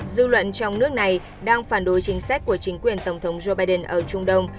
dư luận trong nước này đang phản đối chính sách của chính quyền tổng thống joe biden ở trung đông